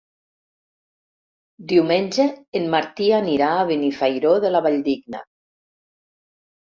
Diumenge en Martí anirà a Benifairó de la Valldigna.